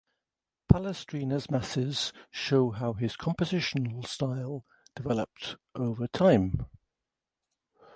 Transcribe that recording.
Palestrina's masses show how his compositional style developed over time.